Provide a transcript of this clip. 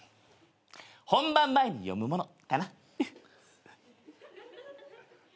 「本番前に読むもの」かな。